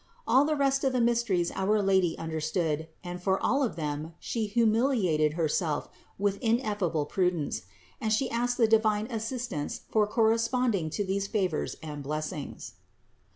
All the rest of the mysteries our Lady understood and for all of them She humiliated Herself with ineffable pru ence, and She asked the divine assistance for corre sponding to these favors and blessings.